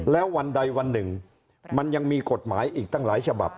แล้ววันใดวันหนึ่งมันยังมีกฎหมายอีกตั้งหลายฉบับ